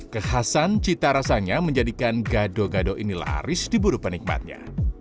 kehasan cita rasanya menjadikan gado gado ini laris di buru penikmatnya